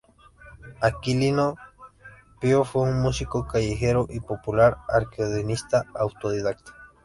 Aquilino Pío fue un músico callejero y popular, acordeonista autodidacta.